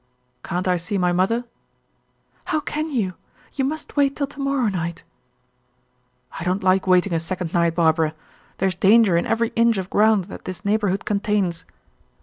"Can't I see my mother?" "How can you? You must wait till to morrow night." "I don't like waiting a second night, Barbara. There's danger in every inch of ground that this neighborhood contains."